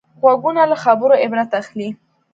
غوږونه له خبرو عبرت اخلي